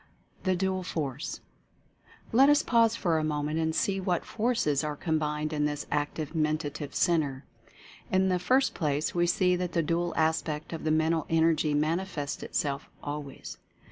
THE DUAL FORCE. Let us pause for a moment and see what Forces are combined in this Active Mentative Centre. In the first place we see that the dual aspect of the Men tal Energy manifests itself always.